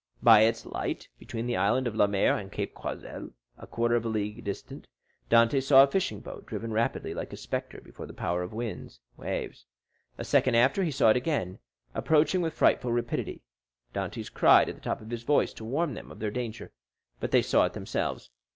By its light, between the Island of Lemaire and Cape Croiselle, a quarter of a league distant, Dantès saw a fishing boat driven rapidly like a spectre before the power of winds and waves. A second after, he saw it again, approaching with frightful rapidity. Dantès cried at the top of his voice to warn them of their danger, but they saw it themselves.